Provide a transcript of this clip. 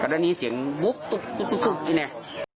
ก็ดังนี้เสียงบุ๊บตุ๊บตุ๊บตุ๊บเนี่ย